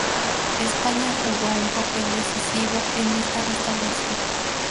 España jugó un papel decisivo en esta restauración.